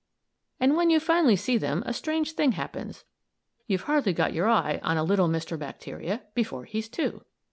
And when you finally see them, a strange thing happens. You've hardly got your eye on a little Mr. Bacteria before he's two!